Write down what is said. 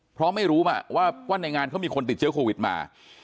เพราะไม่รู้มาว่าในงานเขามีคนติดเชื้อโควิดมา